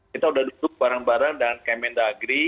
kita sudah duduk bareng bareng dengan kementerian negeri